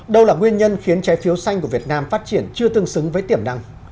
đâu là nguyên nhân khiến trái phiếu xanh của việt nam phát triển chưa tương xứng với tiềm năng